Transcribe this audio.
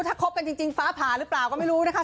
ถ้าคบกันจริงฟ้าผ่าหรือเปล่าก็ไม่รู้นะคะ